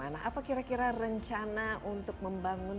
nah apa kira kira rencana untuk membangun